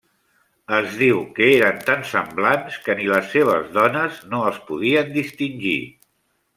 Es diu que eren tan semblants que ni les seves dones no els podien distingir.